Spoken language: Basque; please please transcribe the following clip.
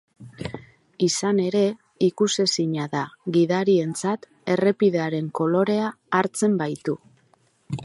Izan ere, ikusezina da gidarientzat, errepidearen kolorea hartzen baitu.